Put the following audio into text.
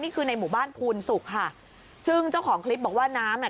ในหมู่บ้านภูนสุกค่ะซึ่งเจ้าของคลิปบอกว่าน้ำอ่ะ